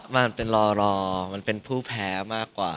มันเป็นรอมันเป็นผู้แพ้มากกว่า